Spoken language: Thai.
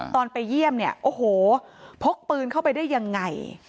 ตอนไปเยี่ยมเนี่ยโอ้โหพกปืนเข้าไปได้ยังไง